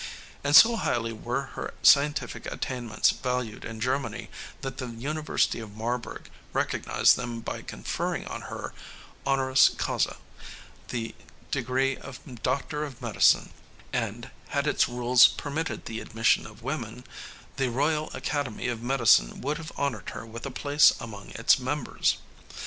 And so highly were her scientific attainments valued in Germany that the University of Marburg recognized them by conferring on her honoris causa the degree of doctor of medicine and, had its rules permitted the admission of women, the Royal Academy of Medicine would have honored her with a place among its members.